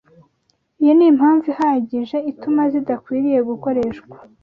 iyi ni impamvu ihagije ituma zidakwiriye gukoreshwa